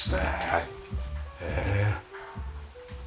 はい。